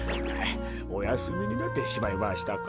おやすみになってしまいましたか。